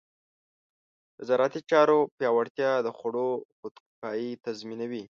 د زراعتي چارو پیاوړتیا د خوړو خودکفایي تضمینوي.